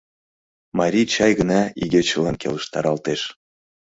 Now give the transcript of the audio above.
Марий чай гына игечылан келыштаралтеш.